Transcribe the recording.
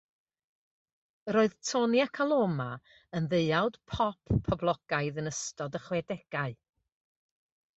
Roedd Tony ac Aloma yn ddeuawd pop poblogaidd yn ystod y chwedegau.